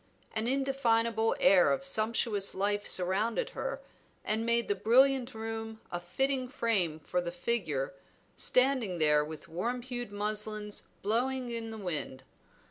An indefinable air of sumptuous life surrounded her, and made the brilliant room a fitting frame for the figure standing there with warm hued muslins blowing in the wind.